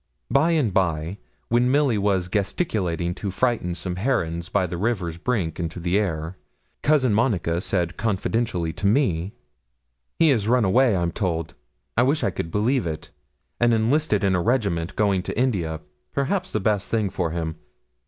By and by, when Milly was gesticulating to frighten some herons by the river's brink into the air, Cousin Monica said confidentially to me 'He has run away, I'm told I wish I could believe it and enlisted in a regiment going to India, perhaps the best thing for him.